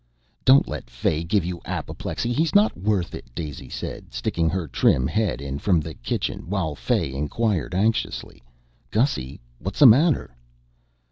"Don't let Fay give you apoplexy he's not worth it," Daisy said, sticking her trim head in from the kitchen, while Fay inquired anxiously, "Gussy, what's the matter?"